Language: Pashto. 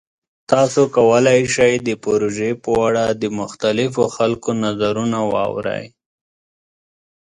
تاسو کولی شئ د پروژې په اړه د مختلفو خلکو نظرونه واورئ.